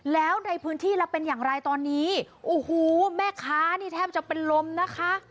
แล้วในพื้นที่แล้วเป็นอย่างไรตอนนี้โอ้โหแม่ค้านี่แทบจะเป็นลมนะคะ